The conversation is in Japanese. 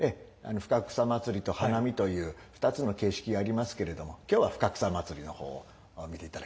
「深草祭」と「花見」という２つの形式がありますけれども今日は「深草祭」の方を見ていただきます。